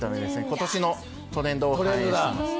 今年のトレンドを反映しています。